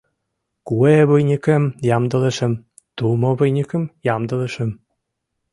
Куэ выньыкым ямдылышым, тумо выньыкым ямдылышым.